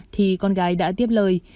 thì con gái đã tiếp lời